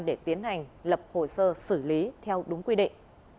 để tiến hành lập hồ sơ xử lý theo đúng quy định